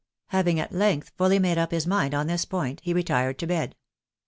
Having, at length, fully made up his mind on this point, he retired to bed.